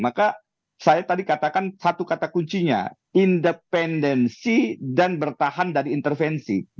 maka saya tadi katakan satu kata kuncinya independensi dan bertahan dari intervensi